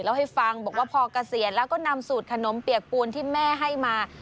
แล้วให้ฟังบอกว่าพอเกษียณแล้วก็นำสูตรขนมเปียกปูนที่แม่ให้มา